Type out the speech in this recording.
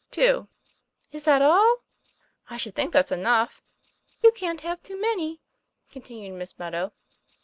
"Two." "Is that all?" "I should think that's enough." 'You can't have too many," continued Miss Meadow.